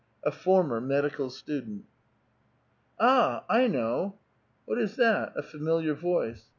A Former Medical Student. «* Ah ! I know." What is that? A. familiar voice.